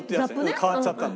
変わっちゃったの。